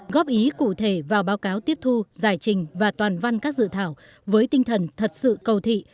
góp ý cụ thể vào báo cáo tiếp thu giải trình và toàn văn các dự thảo với tinh thần thật sự cầu thị